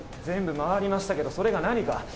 全部回りましたけどそれが何か？